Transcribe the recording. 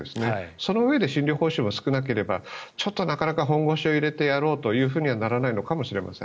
そのうえで診療報酬が少なければなかなか本腰を入れてやろうということにはならないのかもしれません。